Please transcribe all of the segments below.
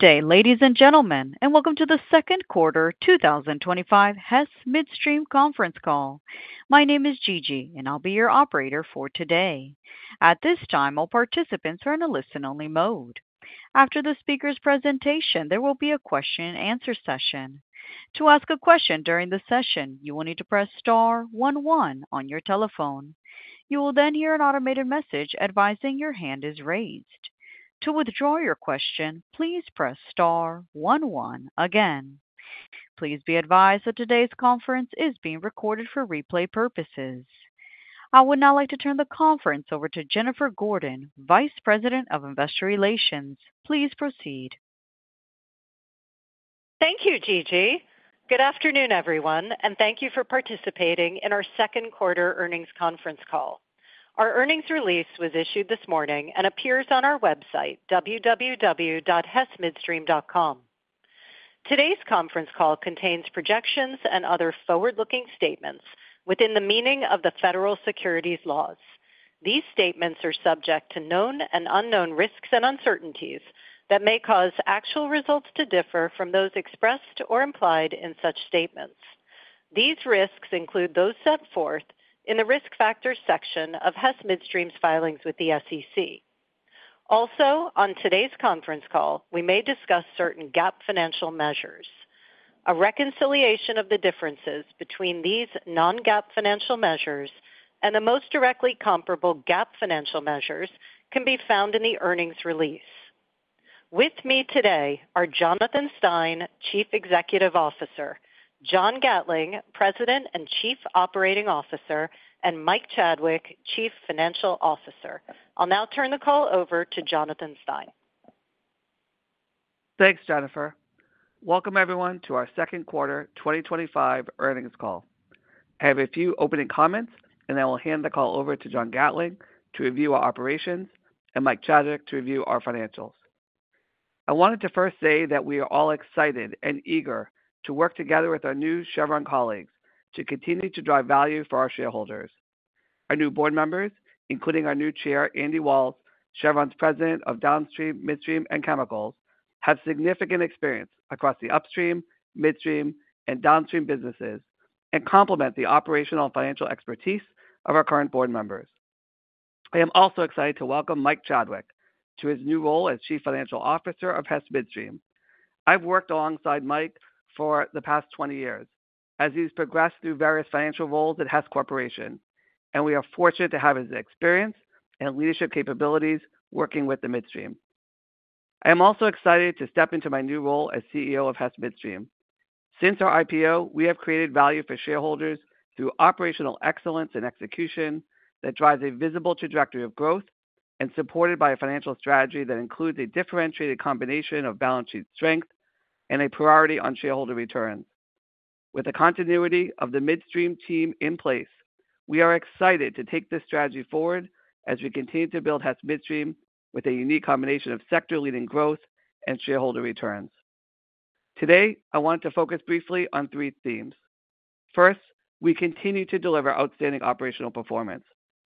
Today, ladies and gentlemen, and welcome to the second quarter 2025 Hess Midstream conference call. My name is Gigi, and I'll be your operator for today. At this time, all participants are in a listen-only mode. After the speaker's presentation, there will be a question and answer session. To ask a question during the session, you will need to press star one one on your telephone. You will then hear an automated message advising your hand is raised. To withdraw your question, please press star one one again. Please be advised that today's conference is being recorded for replay purposes. I would now like to turn the conference over to Jennifer Gordon, Vice President of Investor Relations. Please proceed. Thank you, Gigi. Good afternoon, everyone, and thank you for participating in our second quarter earnings conference call. Our earnings release was issued this morning and appears on our website, www.hessmidstream.com. Today's conference call contains projections and other forward-looking statements within the meaning of the federal securities laws. These statements are subject to known and unknown risks and uncertainties that may cause actual results to differ from those expressed or implied in such statements. These risks include those set forth in the risk factors section of Hess Midstream's filings with the SEC. Also, on today's conference call, we may discuss certain GAAP financial measures. A reconciliation of the differences between these non-GAAP financial measures and the most directly comparable GAAP financial measures can be found in the earnings release. With me today are Jonathan Stein, Chief Executive Officer; John Gatling, President and Chief Operating Officer; and Mike Chadwick, Chief Financial Officer. I'll now turn the call over to Jonathan Stein. Thanks, Jennifer. Welcome, everyone, to our second quarter 2025 earnings call. I have a few opening comments, and then we'll hand the call over to John Gatling to review our operations and Mike Chadwick to review our financials. I wanted to first say that we are all excited and eager to work together with our new Chevron colleagues to continue to drive value for our shareholders. Our new board members, including our new Chair, Andy Walz, Chevron's President of Downstream, Midstream, and Chemicals, have significant experience across the upstream, midstream, and downstream businesses and complement the operational and financial expertise of our current board members. I am also excited to welcome Mike Chadwick to his new role as Chief Financial Officer of Hess Midstream. I've worked alongside Mike for the past 20 years as he's progressed through various financial roles at Hess Corporation, and we are fortunate to have his experience and leadership capabilities working with the Midstream. I am also excited to step into my new role as CEO of Hess Midstream. Since our IPO, we have created value for shareholders through operational excellence and execution that drives a visible trajectory of growth and supported by a financial strategy that includes a differentiated combination of balance sheet strength and a priority on shareholder returns. With the continuity of the Midstream team in place, we are excited to take this strategy forward as we continue to build Hess Midstream with a unique combination of sector-leading growth and shareholder returns. Today, I wanted to focus briefly on three themes. First, we continue to deliver outstanding operational performance,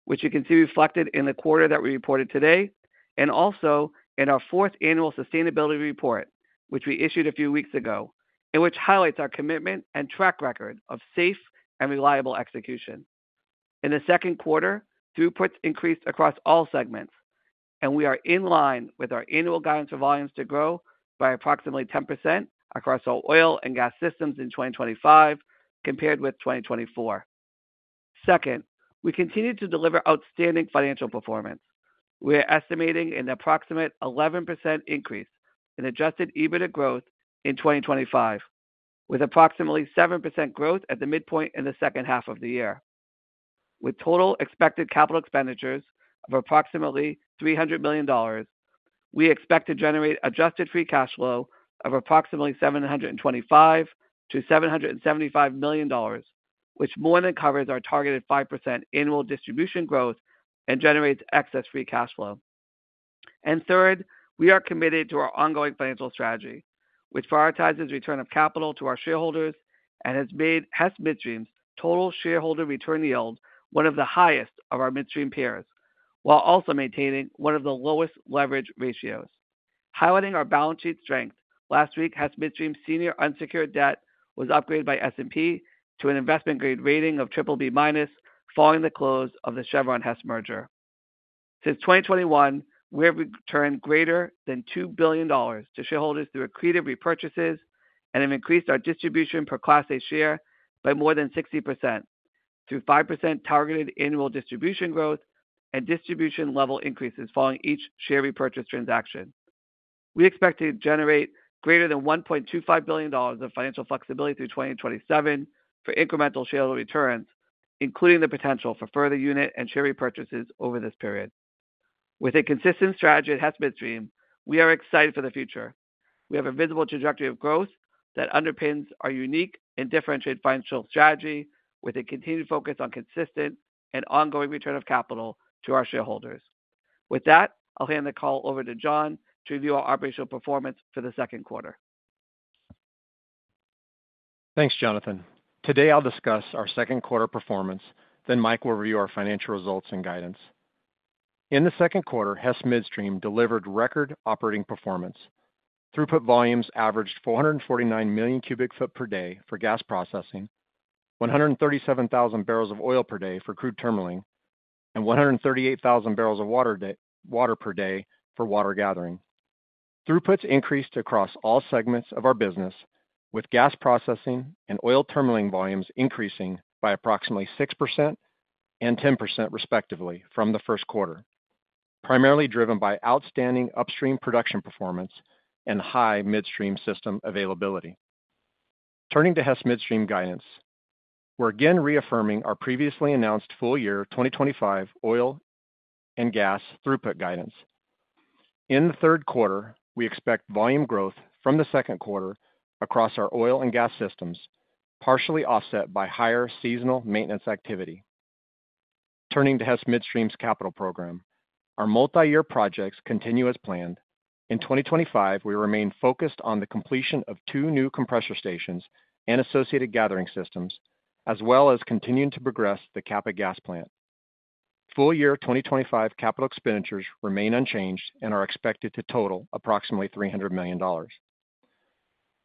which you can see reflected in the quarter that we reported today and also in our fourth annual sustainability report, which we issued a few weeks ago and which highlights our commitment and track record of safe and reliable execution. In the second quarter, throughputs increased across all segments, and we are in line with our annual guidance for volumes to grow by approximately 10% across all oil and gas systems in 2025 compared with 2024. Second, we continue to deliver outstanding financial performance. We are estimating an approximate 11% increase in adjusted EBITDA growth in 2025, with approximately 7% growth at the midpoint in the second half of the year. With total expected capital expenditures of approximately $300 million, we expect to generate adjusted free cash flow of approximately $725 million-$775 million, which more than covers our targeted 5% annual distribution growth and generates excess free cash flow. Third, we are committed to our ongoing financial strategy, which prioritizes return of capital to our shareholders and has made Hess Midstream's total shareholder return yield one of the highest of our midstream peers, while also maintaining one of the lowest leverage ratios. Highlighting our balance sheet strength, last week, Hess Midstream's senior unsecured debt was upgraded by S&P to an investment-grade rating of BBB-, following the close of the Chevron-Hess merger. Since 2021, we have returned greater than $2 billion to shareholders through accretive repurchases and have increased our distribution per Class A share by more than 60% through 5% targeted annual distribution growth and distribution level increases following each share repurchase transaction. We expect to generate greater than $1.25 billion of financial flexibility through 2027 for incremental shareholder returns, including the potential for further unit and share repurchases over this period. With a consistent strategy at Hess Midstream, we are excited for the future. We have a visible trajectory of growth that underpins our unique and differentiated financial strategy, with a continued focus on consistent and ongoing return of capital to our shareholders. With that, I'll hand the call over to John to review our operational performance for the second quarter. Thanks, Jonathan. Today, I'll discuss our second quarter performance, then Mike will review our financial results and guidance. In the second quarter, Hess Midstream delivered record operating performance. Throughput volumes averaged 449 million cu ft per day for gas processing, 137,000 bbl of oil per day for crude terminaling, and 138,000 bbl of water per day for water gathering. Throughputs increased across all segments of our business, with gas processing and oil terminaling volumes increasing by approximately 6% and 10% respectively from the first quarter, primarily driven by outstanding upstream production performance and high midstream system availability. Turning to Hess Midstream guidance, we're again reaffirming our previously announced full-year 2025 oil and gas throughput guidance. In the third quarter, we expect volume growth from the second quarter across our oil and gas systems, partially offset by higher seasonal maintenance activity. Turning to Hess Midstream's capital program, our multi-year projects continue as planned. In 2025, we remain focused on the completion of two new compressor stations and associated gathering systems, as well as continuing to progress the CAPA gas plant. Full-year 2025 capital expenditures remain unchanged and are expected to total approximately $300 million.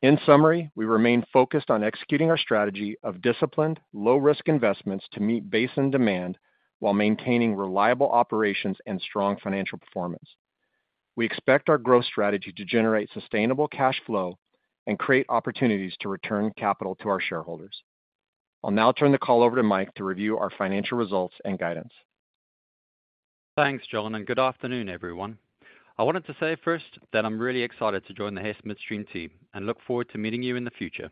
In summary, we remain focused on executing our strategy of disciplined, low-risk investments to meet basin demand while maintaining reliable operations and strong financial performance. We expect our growth strategy to generate sustainable cash flow and create opportunities to return capital to our shareholders. I'll now turn the call over to Mike to review our financial results and guidance. Thanks, John. Good afternoon, everyone. I wanted to say first that I'm really excited to join the Hess Midstream team and look forward to meeting you in the future.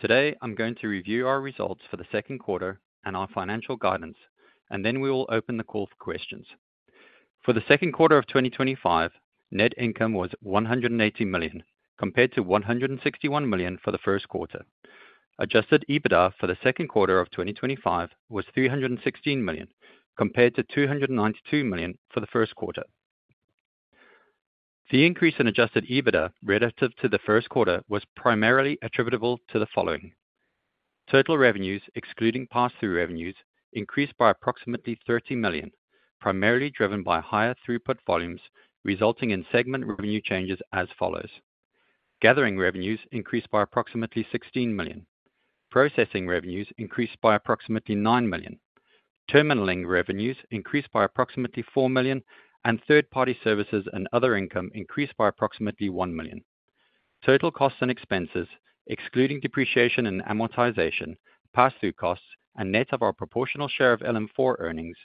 Today, I'm going to review our results for the second quarter and our financial guidance, and then we will open the call for questions. For the second quarter of 2025, net income was $180 million compared to $161 million for the first quarter. Adjusted EBITDA for the second quarter of 2025 was $316 million compared to $292 million for the first quarter. The increase in adjusted EBITDA relative to the first quarter was primarily attributable to the following: total revenues, excluding pass-through revenues, increased by approximately $30 million, primarily driven by higher throughput volumes, resulting in segment revenue changes as follows: gathering revenues increased by approximately $16 million, processing revenues increased by approximately $9 million, terminaling revenues increased by approximately $4 million, and third-party services and other income increased by approximately $1 million. Total costs and expenses, excluding depreciation and amortization, pass-through costs, and net of our proportional share of LM4 earnings,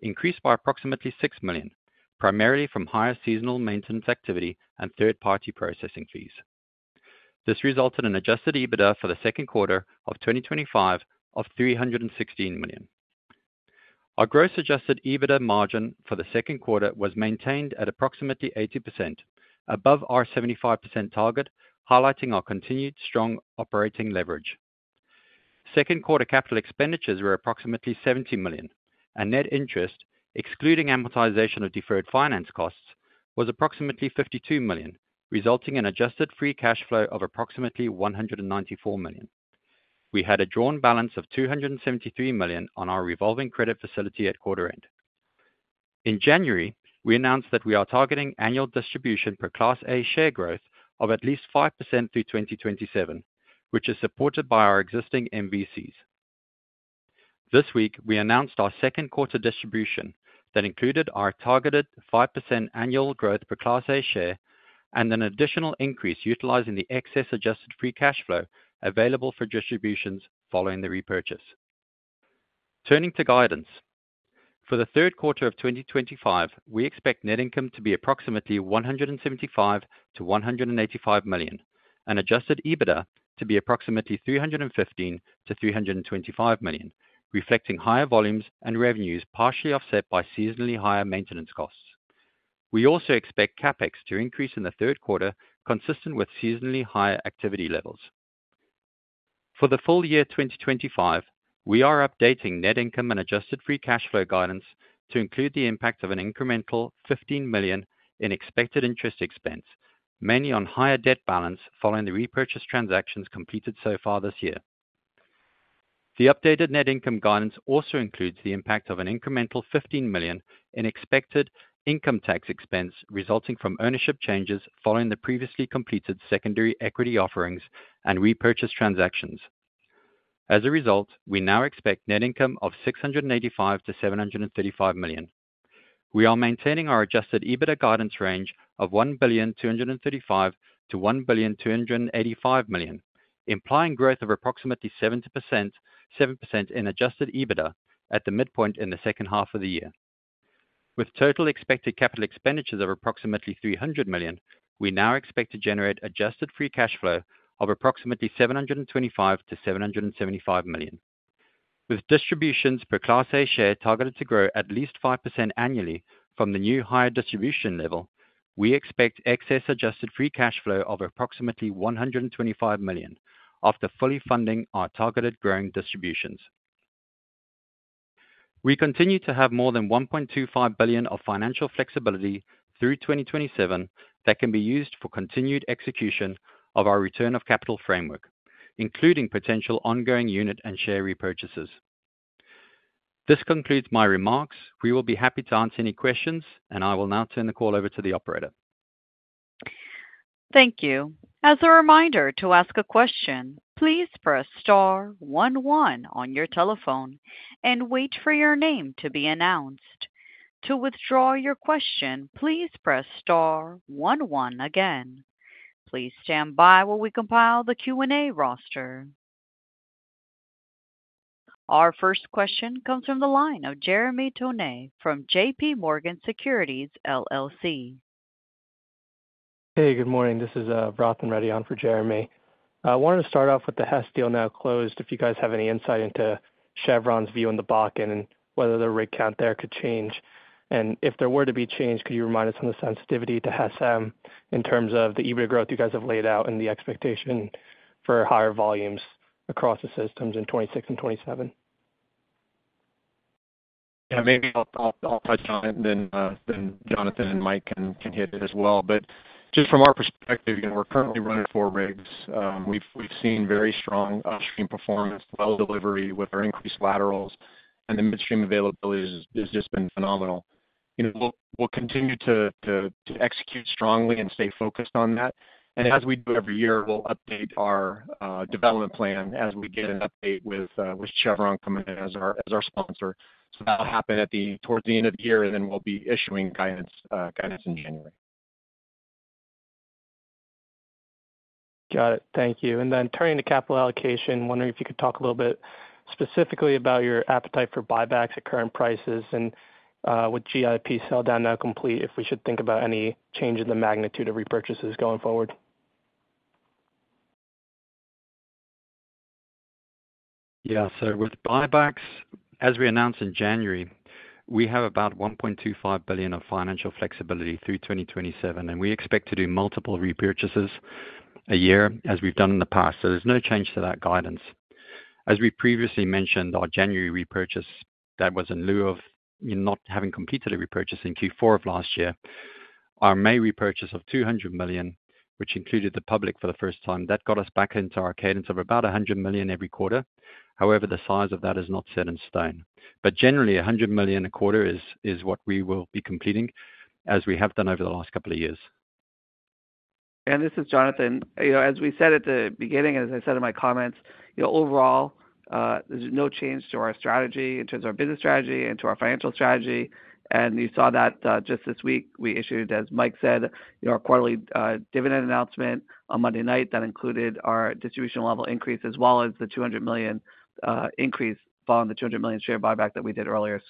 increased by approximately $6 million, primarily from higher seasonal maintenance activity and third-party processing fees. This resulted in an adjusted EBITDA for the second quarter of 2025 of $316 million. Our gross adjusted EBITDA margin for the second quarter was maintained at approximately 80%, above our 75% target, highlighting our continued strong operating leverage. Second quarter capital expenditures were approximately $70 million, and net interest, excluding amortization of deferred finance costs, was approximately $52 million, resulting in adjusted free cash flow of approximately $194 million. We had a drawn balance of $273 million on our revolving credit facility at quarter end. In January, we announced that we are targeting annual distribution per Class A share growth of at least 5% through 2027, which is supported by our existing MVCs. This week, we announced our second quarter distribution that included our targeted 5% annual growth per Class A share and an additional increase utilizing the excess adjusted free cash flow available for distributions following the repurchase. Turning to guidance, for the third quarter of 2025, we expect net income to be approximately $175 million-$185 million and adjusted EBITDA to be approximately $315 million-$325 million, reflecting higher volumes and revenues, partially offset by seasonally higher maintenance costs. We also expect capital expenditures to increase in the third quarter, consistent with seasonally higher activity levels. For the full year 2025, we are updating net income and adjusted free cash flow guidance to include the impact of an incremental $15 million in expected interest expense, mainly on higher debt balance following the repurchase transactions completed so far this year. The updated net income guidance also includes the impact of an incremental $15 million in expected income tax expense resulting from ownership changes following the previously completed secondary equity offerings and repurchase transactions. As a result, we now expect net income of $685 million-$735 million. We are maintaining our adjusted EBITDA guidance range of $1.235 billion-$1.285 billion, implying growth of approximately 7% in adjusted EBITDA at the midpoint in the second half of the year. With total expected capital expenditures of approximately $300 million, we now expect to generate adjusted free cash flow of approximately $725 million-$775 million. With distributions per Class A share targeted to grow at least 5% annually from the new higher distribution level, we expect excess adjusted free cash flow of approximately $125 million after fully funding our targeted growing distributions. We continue to have more than $1.25 billion of financial flexibility through 2027 that can be used for continued execution of our return of capital framework, including potential ongoing unit and share repurchases. This concludes my remarks. We will be happy to answer any questions, and I will now turn the call over to the operator. Thank you. As a reminder, to ask a question, please press star one one on your telephone and wait for your name to be announced. To withdraw your question, please press star one one again. Please stand by while we compile the Q&A roster. Our first question comes from the line of Jeremy Tonet from JPMorgan. Hey, good morning. This is Vrathan Reddy on for Jeremy. I wanted to start off with the Hess deal now closed, if you guys have any insight into Chevron's view in the block and whether the rig count there could change. If there were to be a change, could you remind us on the sensitivity to Hess Midstream in terms of the EBITDA growth you guys have laid out and the expectation for higher volumes across the systems in 2026 and 2027? Yeah, maybe I'll touch on it, and then Jonathan and Mike can hit it as well. Just from our perspective, you know we're currently running four rigs. We've seen very strong upstream performance, well delivery with our increased laterals, and the midstream availability has just been phenomenal. You know we'll continue to execute strongly and stay focused on that. As we do every year, we'll update our development plan as we get an update with Chevron coming in as our sponsor. That'll happen towards the end of the year, and then we'll be issuing guidance in January. Got it. Thank you. Turning to capital allocation, wondering if you could talk a little bit specifically about your appetite for buybacks at current prices and with GIP selldown now complete, if we should think about any change in the magnitude of repurchases going forward. With buybacks, as we announced in January, we have about $1.25 billion of financial flexibility through 2027, and we expect to do multiple repurchases a year as we've done in the past. There's no change to that guidance. As we previously mentioned, our January repurchase was in lieu of not having completed a repurchase in Q4 of last year. Our May repurchase of $200 million, which included the public for the first time, got us back into our cadence of about $100 million every quarter. However, the size of that is not set in stone. Generally, $100 million a quarter is what we will be completing, as we have done over the last couple of years. As we said at the beginning, and as I said in my comments, overall, there's no change to our strategy in terms of our business strategy and to our financial strategy. You saw that just this week. We issued, as Mike said, our quarterly dividend announcement on Monday night that included our distribution level increase as well as the $200 million increase following the $200 million share buyback that we did earlier.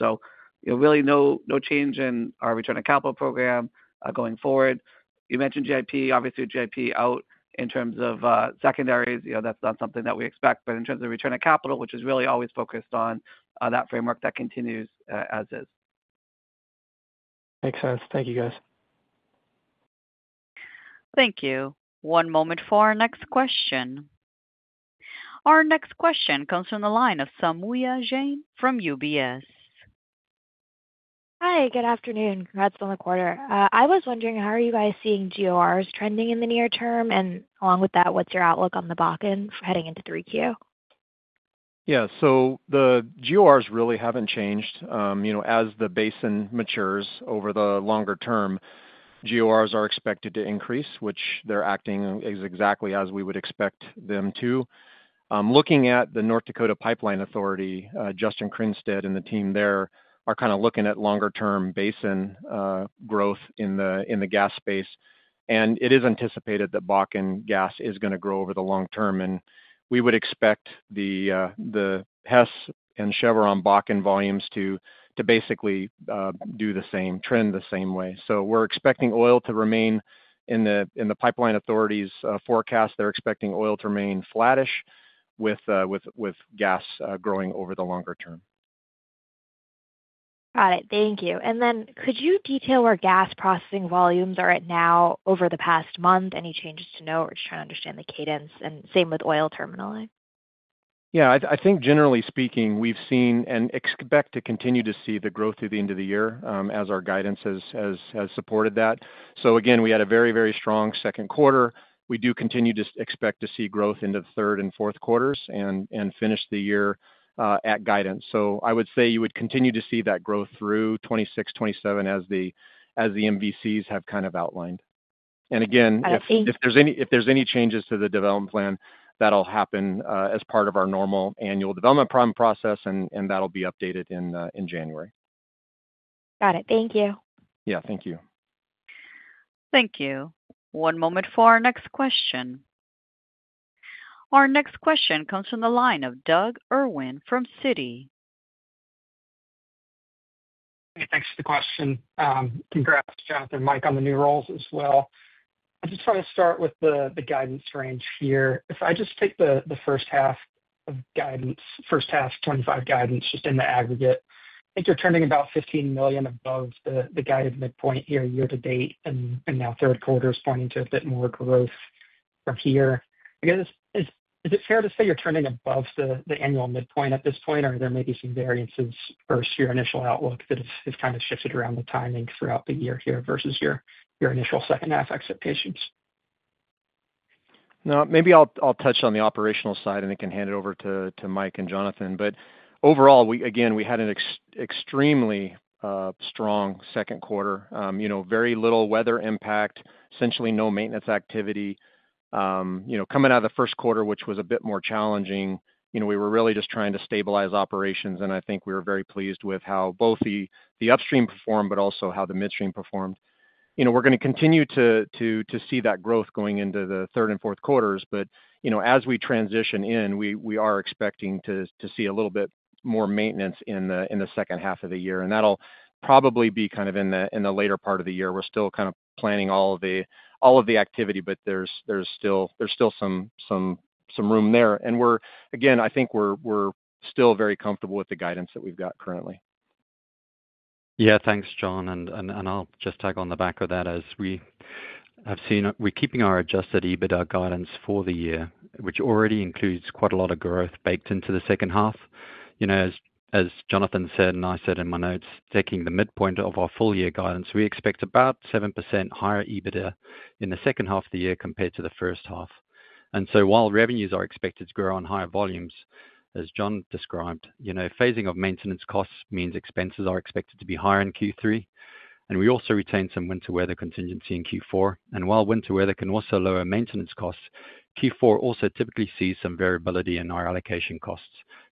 Really no change in our return on capital program going forward. You mentioned GIP. Obviously, with GIP out in terms of secondaries, that's not something that we expect. In terms of return on capital, which is really always focused on that framework, that continues as is. Makes sense. Thank you, guys. Thank you. One moment for our next question. Our next question comes from the line of Saumya Jain from UBS. Hi, good afternoon. Congrats on the quarter. I was wondering, how are you guys seeing GORs trending in the near term? Along with that, what's your outlook on the blocking heading into 3Q? Yeah, so the GORs really haven't changed. You know, as the basin matures over the longer term, GORs are expected to increase, which they're acting exactly as we would expect them to. Looking at the North Dakota Pipeline Authority, Justin Kringstad and the team there are kind of looking at longer-term basin growth in the gas space. It is anticipated that Bakken gas is going to grow over the long term. We would expect the Hess and Chevron Bakken volumes to basically do the same, trend the same way. We're expecting oil to remain in the Pipeline Authority's forecast. They're expecting oil to remain flattish with gas growing over the longer term. Got it. Thank you. Could you detail where gas processing volumes are at now over the past month? Any changes to note? We're just trying to understand the cadence. Same with oil terminaling? Yeah, I think generally speaking, we've seen and expect to continue to see the growth through the end of the year as our guidance has supported that. We had a very, very strong second quarter. We do continue to expect to see growth into the third and fourth quarters and finish the year at guidance. I would say you would continue to see that growth through 2026, 2027 as the MVCs have kind of outlined. If there's any changes to the development plan, that'll happen as part of our normal annual development plan process, and that'll be updated in January. Got it. Thank you. Yeah, thank you. Thank you. One moment for our next question. Our next question comes from the line of Doug Irwin from Citi. Thanks for the question. Congrats, Jonathan and Mike, on the new roles as well. I just want to start with the guidance range here. If I just take the first half of guidance, first half 2025 guidance just in the aggregate, I think you're turning about $15 million above the guided midpoint here year to date. Now third quarter is pointing to a bit more growth from here. I guess, is it fair to say you're turning above the annual midpoint at this point, or are there maybe some variances versus your initial outlook that have kind of shifted around the timing throughout the year here versus your initial second half expectations? No, maybe I'll touch on the operational side, and I can hand it over to Mike and Jonathan. Overall, again, we had an extremely strong second quarter. Very little weather impact, essentially no maintenance activity. Coming out of the first quarter, which was a bit more challenging, we were really just trying to stabilize operations. I think we were very pleased with how both the upstream performed, but also how the midstream performed. We're going to continue to see that growth going into the third and fourth quarters. As we transition in, we are expecting to see a little bit more maintenance in the second half of the year. That'll probably be in the later part of the year. We're still pre-planning all of the activity, but there's still some room there. Again, I think we're still very comfortable with the guidance that we've got currently. Yeah, thanks, John. I'll just tag on the back of that as we have seen, we're keeping our adjusted EBITDA guidance for the year, which already includes quite a lot of growth baked into the second half. As Jonathan said and I said in my notes, taking the midpoint of our full-year guidance, we expect about 7% higher EBITDA in the second half of the year compared to the first half. While revenues are expected to grow on higher volumes, as John described, phasing of maintenance costs means expenses are expected to be higher in Q3. We also retain some winter weather contingency in Q4. While winter weather can also lower maintenance costs, Q4 also typically sees some variability in our allocation costs.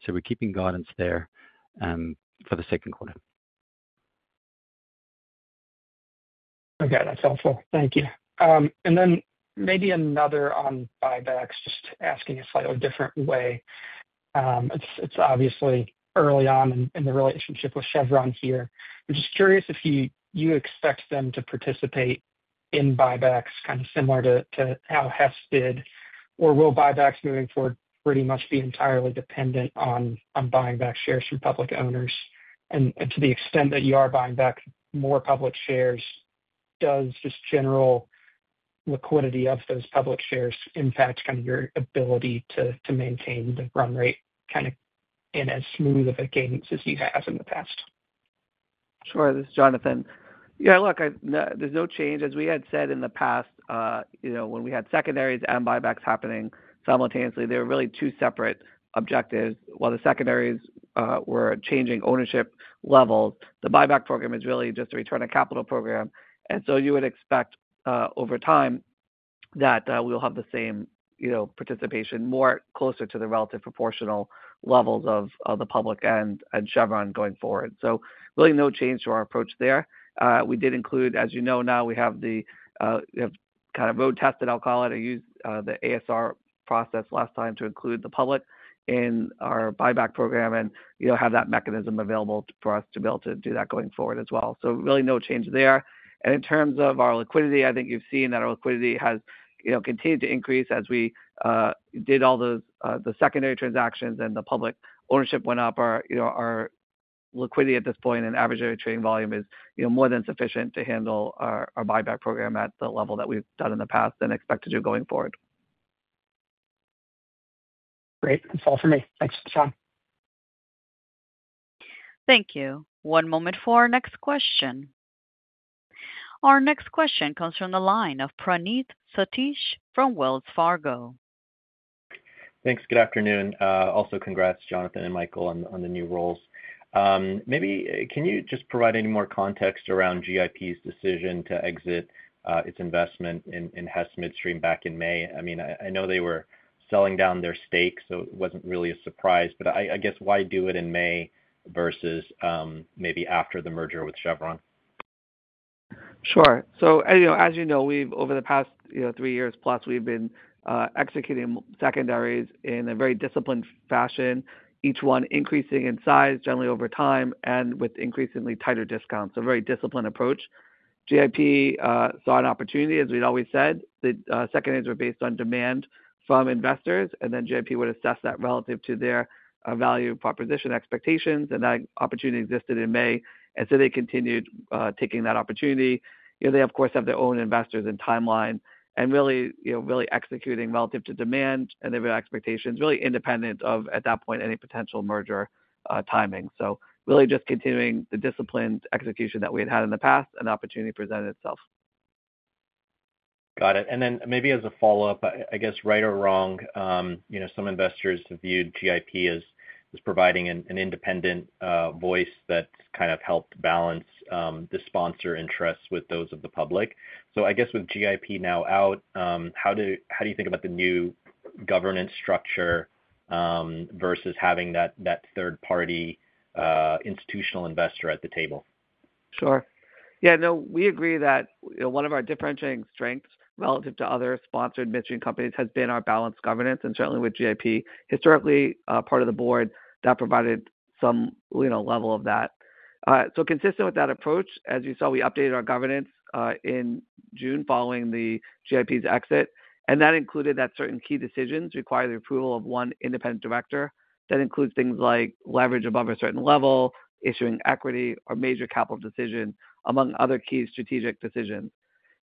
We're keeping guidance there for the second quarter. Okay, that's helpful. Thank you. Maybe another on buybacks, just asking a slightly different way. It's obviously early on in the relationship with Chevron here. I'm just curious if you expect them to participate in buybacks kind of similar to how Hess did, or will buybacks moving forward pretty much be entirely dependent on buying back shares from public owners? To the extent that you are buying back more public shares, does just general liquidity of those public shares impact your ability to maintain the run rate in as smooth of a cadence as you have in the past? Sure. This is Jonathan. Yeah, look, there's no change. As we had said in the past, when we had secondaries and buybacks happening simultaneously, they were really two separate objectives. While the secondaries were changing ownership levels, the buyback program is really just a return of capital program. You would expect over time that we'll have the same participation, more closer to the relative proportional levels of the public and Chevron going forward. Really no change to our approach there. We did include, as you know, now we have the kind of road tested, I'll call it, or use the ASR process last time to include the public in our buyback program and have that mechanism available for us to be able to do that going forward as well. Really no change there. In terms of our liquidity, I think you've seen that our liquidity has continued to increase as we did all the secondary transactions and the public ownership went up. Our liquidity at this point and average area trading volume is more than sufficient to handle our buyback program at the level that we've done in the past and expect to do going forward. Great. That's all for me. Thanks, Jon. Thank you. One moment for our next question. Our next question comes from the line of Praneeth Satish from Wells Fargo. Thanks. Good afternoon. Also, congrats, Jonathan and Michael, on the new roles. Maybe can you just provide any more context around GIP's decision to exit its investment in Hess Midstream back in May? I mean, I know they were selling down their stakes, so it wasn't really a surprise. I guess, why do it in May versus maybe after the merger with Chevron? Sure. As you know, over the past three years plus, we've been executing secondaries in a very disciplined fashion, each one increasing in size generally over time and with increasingly tighter discounts. A very disciplined approach. GIP saw an opportunity, as we'd always said. The secondaries were based on demand from investors, and then GIP would assess that relative to their value proposition expectations. That opportunity existed in May, and they continued taking that opportunity. They, of course, have their own investors and timeline and really executing relative to demand and their expectations, really independent of, at that point, any potential merger timing. Really just continuing the disciplined execution that we had had in the past, and the opportunity presented itself. Got it. Maybe as a follow-up, I guess right or wrong, you know, some investors have viewed GIP as providing an independent voice that's kind of helped balance the sponsor interests with those of the public. I guess with GIP now out, how do you think about the new governance structure versus having that third-party institutional investor at the table? Sure. Yeah, no, we agree that one of our differentiating strengths relative to other sponsored midstream companies has been our balanced governance. Certainly, with GIP historically part of the board, that provided some level of that. Consistent with that approach, as you saw, we updated our governance in June following GIP's exit. That included that certain key decisions require the approval of one independent director. That includes things like leverage above a certain level, issuing equity, or major capital decisions, among other key strategic decisions.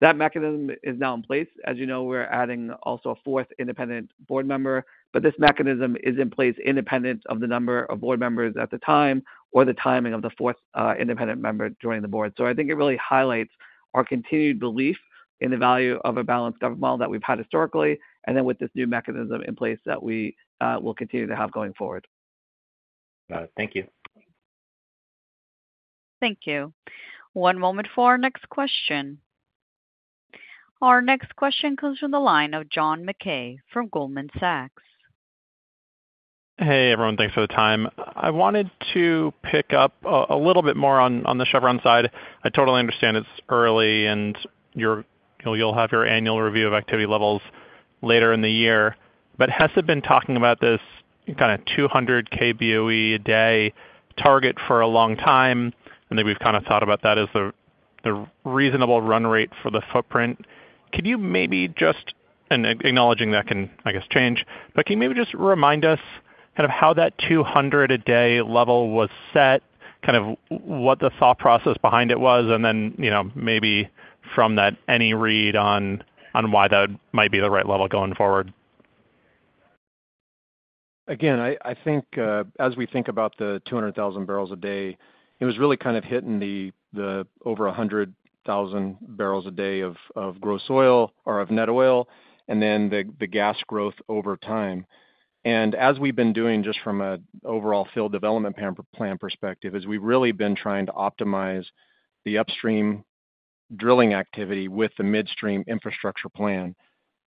That mechanism is now in place. As you know, we're adding also a fourth independent board member. This mechanism is in place independent of the number of board members at the time or the timing of the fourth independent member joining the board. I think it really highlights our continued belief in the value of a balanced governance model that we've had historically, and with this new mechanism in place that we will continue to have going forward. Got it. Thank you. Thank you. One moment for our next question. Our next question comes from the line of John Mackay from Goldman Sachs. Hey, everyone. Thanks for the time. I wanted to pick up a little bit more on the Chevron side. I totally understand it's early, and you'll have your annual review of activity levels later in the year. Hess had been talking about this kind of 200 KBOE a day target for a long time. We've kind of thought about that as the reasonable run rate for the footprint. Could you maybe just, and acknowledging that can, I guess, change, but can you maybe just remind us kind of how that 200 a day level was set, kind of what the thought process behind it was, and then maybe from that any read on why that might be the right level going forward? I think as we think about the 200,000 bbl a day, it was really kind of hitting the over 100,000 bbl a day of gross oil or of net oil, and then the gas growth over time. As we've been doing just from an overall field development plan perspective, we've really been trying to optimize the upstream drilling activity with the midstream infrastructure plan.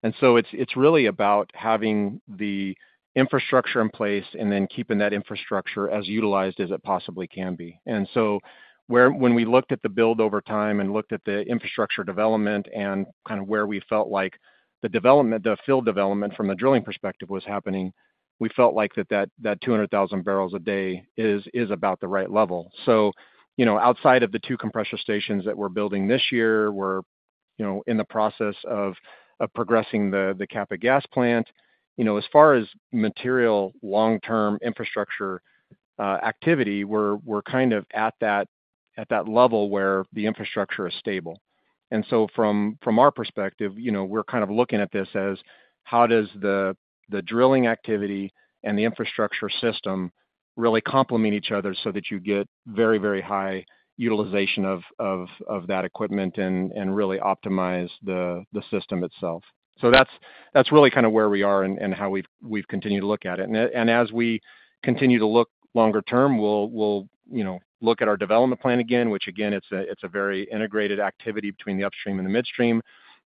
It's really about having the infrastructure in place and then keeping that infrastructure as utilized as it possibly can be. When we looked at the build over time and looked at the infrastructure development and kind of where we felt like the field development from the drilling perspective was happening, we felt like that 200,000 bbl a day is about the right level. Outside of the two compressor stations that we're building this year, we're in the process of progressing the CAPA gas plant. As far as material long-term infrastructure activity, we're kind of at that level where the infrastructure is stable. From our perspective, we're kind of looking at this as how does the drilling activity and the infrastructure system really complement each other so that you get very, very high utilization of that equipment and really optimize the system itself. That's really kind of where we are and how we've continued to look at it. As we continue to look longer term, we'll look at our development plan again, which again, it's a very integrated activity between the upstream and the midstream.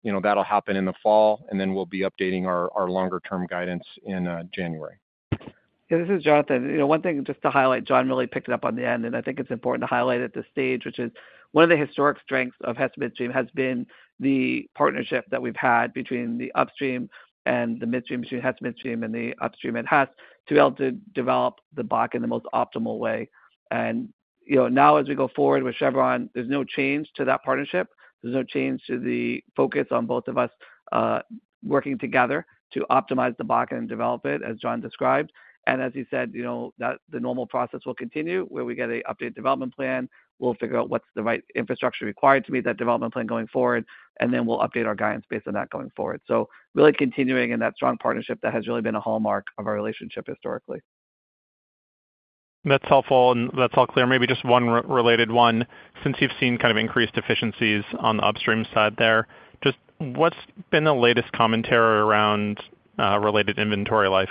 That'll happen in the fall, and then we'll be updating our longer-term guidance in January. Yeah, this is Jonathan. One thing just to highlight, John really picked it up on the end, and I think it's important to highlight at this stage, which is one of the historic strengths of Hess Midstream has been the partnership that we've had between the upstream and the midstream, between Hess Midstream and the upstream at Hess, to be able to develop the block in the most optimal way. Now, as we go forward with Chevron, there's no change to that partnership. There's no change to the focus on both of us working together to optimize the block and develop it, as John described. As he said, the normal process will continue where we get an updated development plan. We'll figure out what's the right infrastructure required to meet that development plan going forward, and then we'll update our guidance based on that going forward. Really continuing in that strong partnership that has really been a hallmark of our relationship historically. That's helpful, and that's all clear. Maybe just one related one. Since you've seen kind of increased efficiencies on the upstream side there, what's been the latest commentary around related inventory life?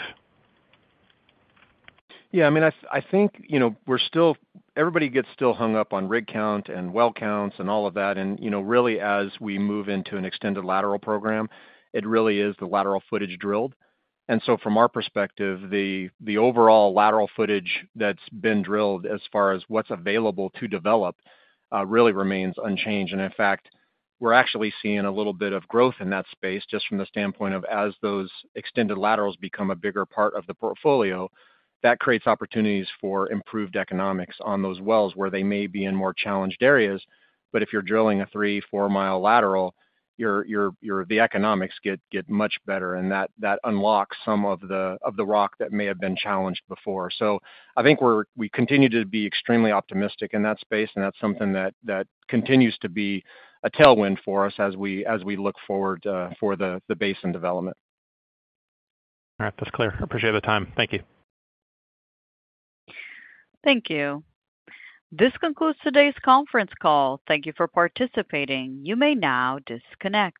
Yeah, I mean, I think we're still, everybody gets still hung up on rig count and well counts and all of that. Really, as we move into an extended lateral program, it really is the lateral footage drilled. From our perspective, the overall lateral footage that's been drilled as far as what's available to develop really remains unchanged. In fact, we're actually seeing a little bit of growth in that space just from the standpoint of as those extended laterals become a bigger part of the portfolio, that creates opportunities for improved economics on those wells where they may be in more challenged areas. If you're drilling a 3 mi, 4 mi lateral, the economics get much better, and that unlocks some of the rock that may have been challenged before. I think we continue to be extremely optimistic in that space, and that's something that continues to be a tailwind for us as we look forward for the basin development. All right, that's clear. Appreciate the time. Thank you. Thank you. This concludes today's conference call. Thank you for participating. You may now disconnect.